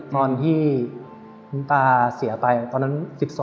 ตอนที่คุณตาเสียไปตอนนั้น๑๒